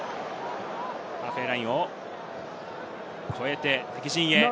ハーフウェイラインを越えて敵陣へ。